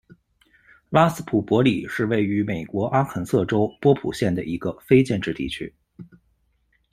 拉斯普伯里是位于美国阿肯色州波普县的一个非建制地区。